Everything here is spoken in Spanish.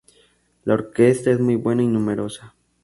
La orquesta es muy buena y numerosa.